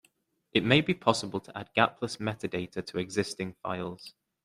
It may be possible to add gapless metadata to existing files.